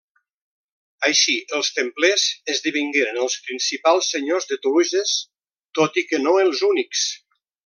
Així, els templers esdevingueren els principals senyors de Toluges, tot i que no els únics.